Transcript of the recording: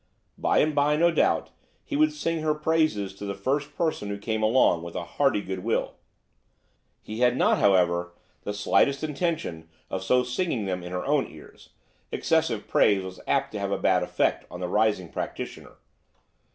By and by, no doubt, he would sing her praises to the first person who came along with a hearty good will; he had not, however, the slightest intention of so singing them in her own ears–excessive praise was apt to have a bad effect on the rising practitioner.